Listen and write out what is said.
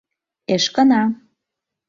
Эшкына.